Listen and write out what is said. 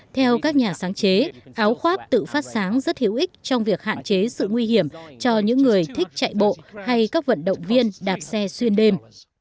theo các nhà sáng chế áo khoác tự phát sáng rất hữu ích trong việc hạn chế sự nguy hiểm cho những người thích chạy bộ hay các vận động viên đạp xe xuyên đêm